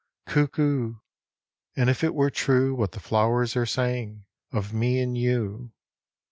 Cuckoo ! And if it were true What the flowers are saying Of me and you